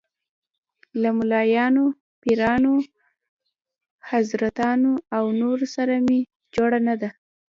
له ملايانو، پیرانو، حضرتانو او نورو سره مې جوړه نه وه.